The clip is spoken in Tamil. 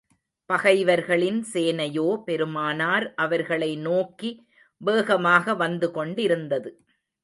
பகைவர்களின் சேனையோ, பெருமானார் அவர்களை நோக்கி வேகமாக வந்து கொண்டிருந்தது.